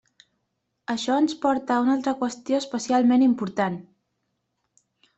Això ens porta a una altra qüestió especialment important.